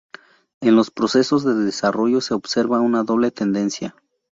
En los procesos de desarrollo se observa una doble tendencia.